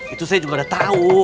itu saya juga udah tahu